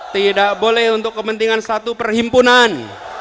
tidak boleh untuk kepentingan satu perhimpunan